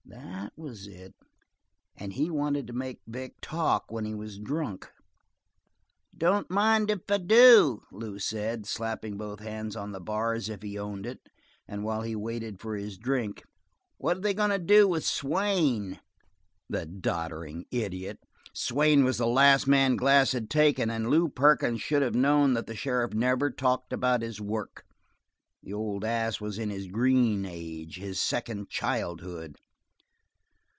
That was it, and he wanted to make Vic talk when he was drunk. "Don't mind if I do," Lew said, slapping both hands on the bar as if he owned it; and while he waited for his drink: "What are they going to do with Swain?" The doddering idiot! Swain was the last man Glass had taken, and Lew Perkins should have known that the sheriff never talked about his work; the old ass was in his green age, his second childhood.